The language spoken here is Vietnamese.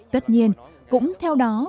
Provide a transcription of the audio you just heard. tất nhiên cũng theo đó